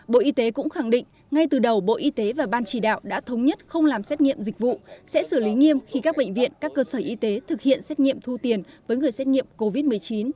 bộ y tế cũng khẳng định ngay từ đầu bộ y tế và ban chỉ đạo đã thống nhất không làm xét nghiệm dịch vụ sẽ xử lý nghiêm khi các bệnh viện các cơ sở y tế thực hiện xét nghiệm thu tiền với người xét nghiệm covid một mươi chín